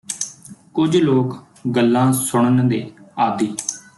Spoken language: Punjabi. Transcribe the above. ਕੁਝ ਲੋਕ ਗੱਲਾਂ ਸੁਣਨ ਦੇ ਆਦੀ